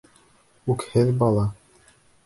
Үкһеҙ бала.